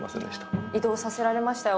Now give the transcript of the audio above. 移動させられましたよ